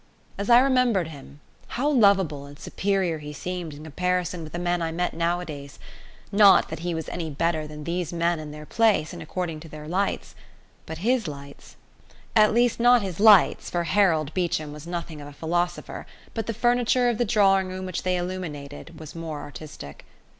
As I remembered him, how lovable and superior he seemed in comparison with the men I met nowadays: not that he was any better than these men in their place and according to their lights, but his lights at least not his lights, for Harold Beecham was nothing of a philosopher, but the furniture of the drawing room which they illuminated was more artistic.